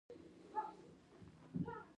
د تا دغرمې خوراک تیار ده